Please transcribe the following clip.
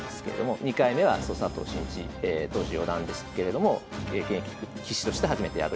２回目は佐藤慎一当時四段ですけれども現役棋士として初めて敗れた。